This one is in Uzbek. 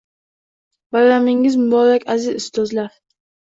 Bayramingiz muborak, aziz ustozlar!